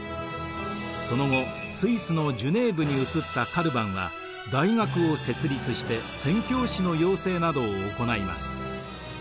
その後スイスのジュネーヴに移ったカルヴァンは大学を設立して宣教師の養成などを行います。